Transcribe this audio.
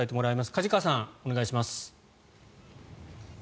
梶川さん、お願いします。